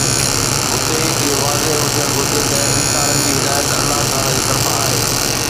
هتي اهو واضح هجڻ گهرجي ته انسانن جي هدايت الله تعاليٰ جي طرفان آهي